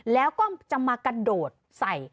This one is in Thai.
แล้วก็จะมากระโดดใส่